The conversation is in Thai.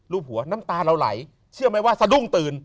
หัวน้ำตาเราไหลเชื่อไหมว่าสะดุ้งตื่น